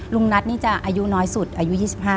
ลุงนัทนี่จะอายุน้อยสุดอายุ๒๕